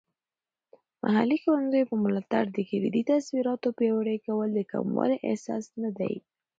محلي ښوونځیو په ملاتړ د کلیدي تصورات پیاوړي کول د کموالی احساس نه دی.